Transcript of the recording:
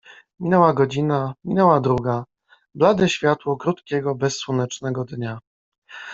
Minęła godzina, minęła druga. Blade światło krótkiego, bezsłonecznego dnia